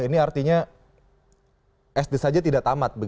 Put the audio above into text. ini artinya sd saja tidak tamat